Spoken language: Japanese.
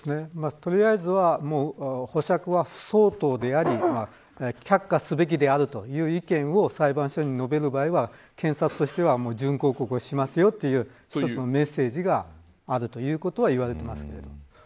取りあえずは、保釈は不相当であり却下すべきであるという意見を裁判所に述べる場合は検察としては準抗告をしますよというメッセージがあるということは言われてますね。